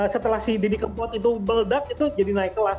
setelah si didi kempot itu meledak itu jadi naik kelas